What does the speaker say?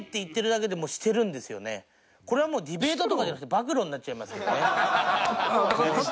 これはもうディベートとかじゃなくて暴露になっちゃいますけどね。